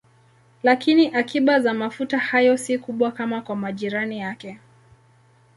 Lakini akiba za mafuta hayo si kubwa kama kwa majirani yake.